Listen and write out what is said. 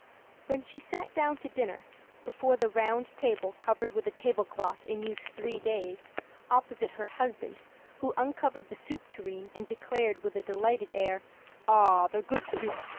When she sat down to dinner, before the round table covered with a tablecloth in use three days, opposite her husband, who uncovered the soup tureen and declared with a delighted air, âAh, the good soup!